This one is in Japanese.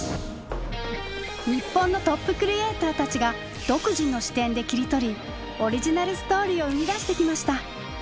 日本のトップクリエーターたちが独自の視点で切り取りオリジナルストーリーを生み出してきました。